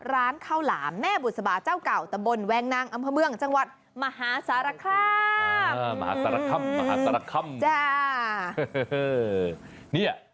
ร้านข้าวหลามแม่บุษบาเจ้าเก่าตะบนแวงนางอำเภอเมืองจังหวัดมหาสารคามจ้า